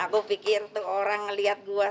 aku pikir tuh orang ngeliat gua sama dia